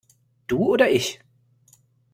Du oder ich?